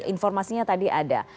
informasinya tadi ada